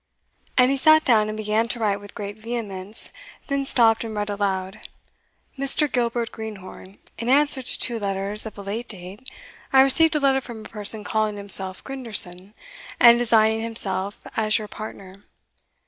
And he sate down and began to write with great vehemence, then stopped and read aloud: "Mr. Gilbert Greenhorn, in answer to two letters of a late date, I received a letter from a person calling himself Grinderson, and designing himself as your partner.